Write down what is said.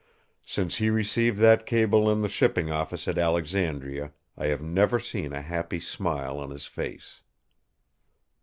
Since he received that cable in the shipping office at Alexandria I have never seen a happy smile on his face.